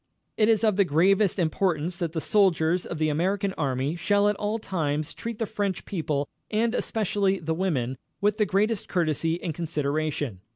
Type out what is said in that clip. It is of the gravest importance that the soldiers of the American Army shall at all times treat the French people, and especially the women, with the greatest courtesy and consideration.